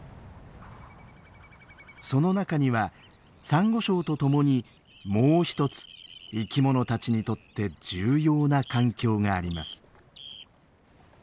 その中にはサンゴ礁とともにもうひとつ生き物たちにとって重要な環境があります。